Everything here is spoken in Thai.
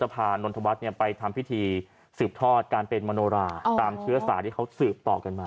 พานนทวัฒน์ไปทำพิธีสืบทอดการเป็นมโนราตามเชื้อสายที่เขาสืบต่อกันมา